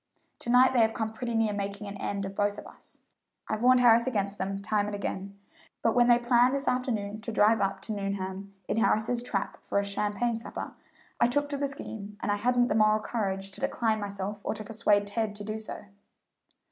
To night they have come pretty near making an end of both of us. I've warned Harris against them time and again, but when they planned this afternoon to drive up to Nuneham in Harris's trap for a champagne supper, I took to the scheme, and I hadn't the moral courage to decline myself or to persuade Ted to do so."